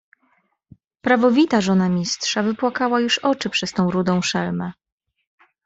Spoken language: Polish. "Prawowita żona Mistrza wypłakała już oczy przez tą rudą szelmę."